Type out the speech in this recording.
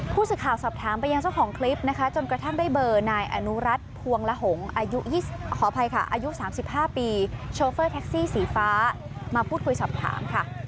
ผู้สื่อข่าวสอบถามไปยังเจ้าของคลิปนะคะจนกระทั่งได้เบอร์นายอนุรัติภวงละหงอายุขออภัยค่ะอายุ๓๕ปีโชเฟอร์แท็กซี่สีฟ้ามาพูดคุยสอบถามค่ะ